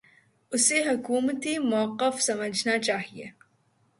اسے حکومتی موقف سمجھنا چاہیے۔